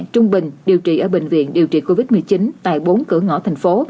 trung bình điều trị ở bệnh viện điều trị covid một mươi chín tại bốn cửa ngõ thành phố